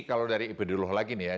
kalau dari epidemiolog lagi nih ya